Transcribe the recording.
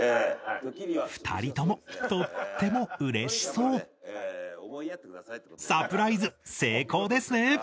２人ともとってもうれしそうサプライズ成功ですね